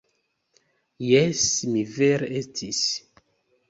Jes, mi vere estis.